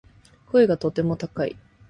声がとても高い